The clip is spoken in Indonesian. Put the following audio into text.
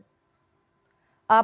prof didi apakah kemudian